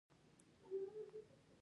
له ځنګل ځخه باید سالمه ګټه واخیستل شي